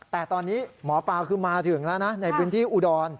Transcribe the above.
แต่ตอนนี้หมอปลาคือมาถึงแล้วนะในพื้นที่อุดร